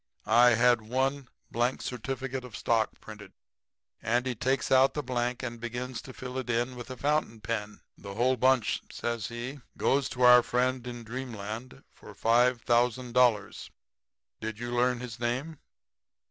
I had one blank certificate of stock printed.' "Andy takes out the blank and begins to fill it in with a fountain pen. "'The whole bunch,' says he, 'goes to our friend in dreamland for $5,000. Did you learn his name?'